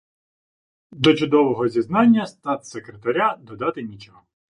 До чудового зізнання статс-секретаря додати нічого